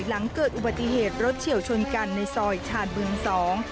หลังเกิดอุบัติเหตุรถเฉียวชนกันในซอยชาญบึงสอง